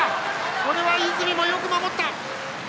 これは泉、よく守った！